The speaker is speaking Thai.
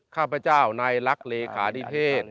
ข้าไปเจ้าในลักษณ์เรขานิเทศ